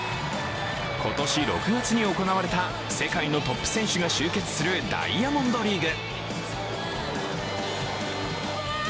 今年６月に行われた世界のトップ選手が集結するダイヤモンドリーグ。